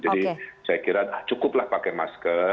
jadi saya kira cukuplah pakai masker